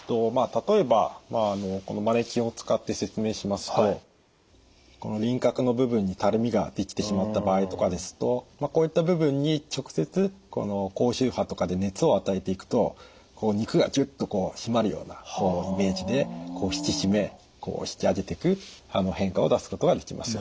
例えばこのマネキンを使って説明しますとこの輪郭の部分にたるみができてしまった場合とかですとこういった部分に直接高周波とかで熱を与えていくと肉がギュッと締まるようなイメージで引き締め引き上げていく変化を出すことができます。